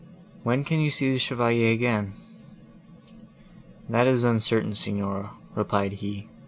When can you see the Chevalier again?" "That is uncertain, Signora," replied he.